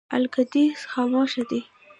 القدس خاموشه دی.